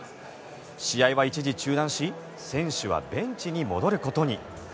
試合は一時、中断し選手はベンチに戻ることに。